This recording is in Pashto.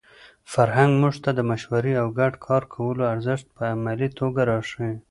فرهنګ موږ ته د مشورې او ګډ کار کولو ارزښت په عملي توګه راښيي.